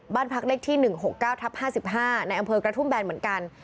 บ้านพักเลขที่๑๖๙ทับ๕๕ในอำเภอกระทุ่มแบนเหมือนกัน